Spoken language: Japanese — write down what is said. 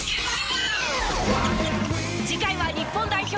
次回は日本代表